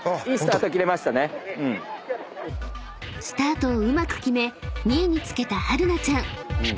［スタートをうまく決め２位につけたはるなちゃん］